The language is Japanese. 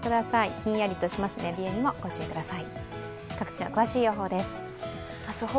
ひんやりとします、寝冷えにもご注意ください。